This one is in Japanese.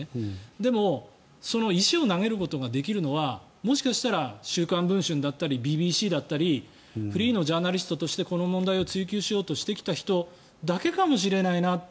でもその石を投げることができるのはもしかしたら「週刊文春」だったりＢＢＣだったりフリーのジャーナリストとしてこの問題を追及しようとしてきた人だけかもしれないなと